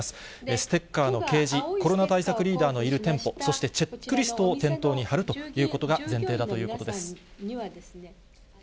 ステッカーの掲示、コロナ対策リーダーのいる店舗、そしてチェックリストを店頭に貼るということが前提だということです。